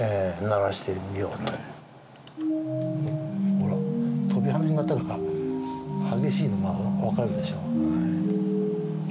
ほら跳びはね方が激しいのが分かるでしょ。